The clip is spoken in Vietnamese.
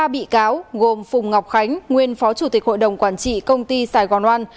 ba bị cáo gồm phùng ngọc khánh nguyên phó chủ tịch hội đồng quản trị công ty saigon one